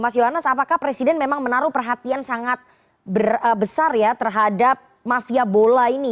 mas yohanes apakah presiden memang menaruh perhatian sangat besar ya terhadap mafia bola ini